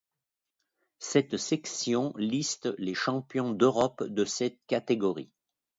Cette section liste les champions d'Europe de cette catégorie.